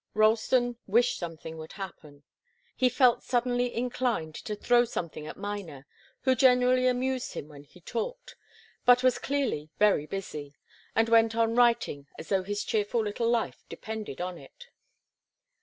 Ralston wished something would happen. He felt suddenly inclined to throw something at Miner, who generally amused him when he talked, but was clearly very busy, and went on writing as though his cheerful little life depended on it.